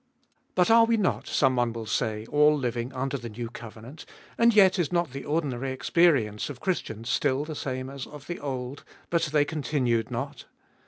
But are we not, some one will say, all living under the new covenant, and yet is not the ordinary experience of Christians still the same as of old, But they continued not?